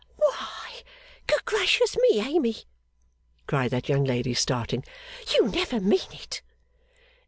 'Why, good gracious me, Amy!' cried that young lady starting. 'You never mean it!